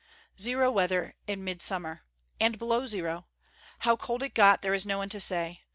Zero weather in midsummer! And below zero! How cold it got, there is no one to say.